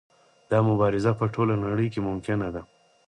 دا مبارزه په ټوله نړۍ کې ممکنه ده.